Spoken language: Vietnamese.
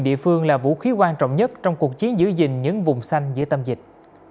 địa phương là vũ khí quan trọng nhất trong cuộc chiến giữ gìn những vùng xanh giữa tâm dịch